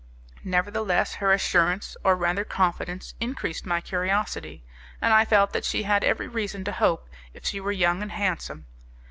Nevertheless, her assurance, or rather confidence, increased my curiosity, and I felt that she had every reason to hope, if she were young and handsome.